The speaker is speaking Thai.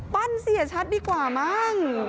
ปั้นเสียชัดดีกว่ามั่ง